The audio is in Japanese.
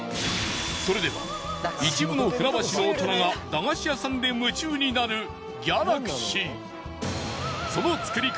それでは一部の船橋の大人が駄菓子屋さんで夢中になるギャラクシー。